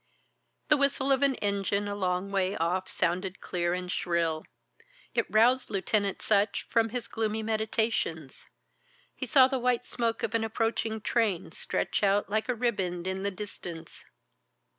The whistle of an engine a long way off sounded clear and shrill. It roused Lieutenant Sutch from his gloomy meditations. He saw the white smoke of an approaching train stretch out like a riband in the distance.